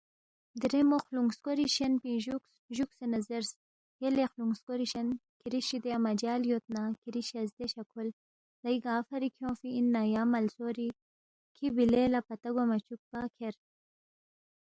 دیرے مو خلُونگ سکوری شین پِنگ جُوکس، جُوکسے نہ زیرس، یلے خلُونگ سکوری شین کِھری شِدیا مجال یود نہ کِھری شزدے شہ کھول دئی گا فری کھیونگفی اِننا یا ملسوری کھی بِلے لہ پتہ گوا مہ چُوکپا کھیر